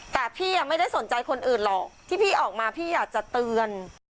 แต่พี่ไม่ได้สนใจคนอื่นหรอกที่พี่ออกมาพี่อยากจะเตือน